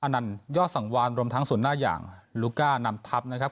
นันยอดสังวานรวมทั้งส่วนหน้าอย่างลูก้านำทัพนะครับ